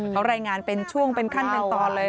เขารายงานเป็นช่วงเป็นขั้นเป็นตอนเลย